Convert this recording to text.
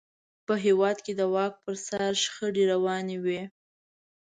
په هېواد کې د واک پر سر شخړې روانې وې.